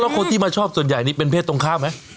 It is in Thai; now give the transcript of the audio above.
คนที่มาชอบส่วนใหญ่นี่เป็นเพศตรงข้ามไหม